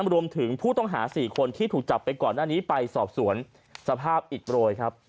รวมถึงผู้ต้องหา๔คนที่ถูกจับไปก่อนหน้านี้ไปสอบสวนสภาพอิดโรยครับ